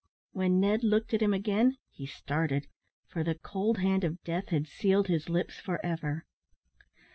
When Ned looked at him again, he started, for the cold hand of death had sealed his lips for ever.